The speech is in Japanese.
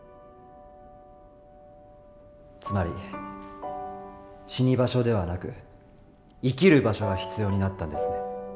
つまり死に場所ではなく生きる場所が必要になったんですね。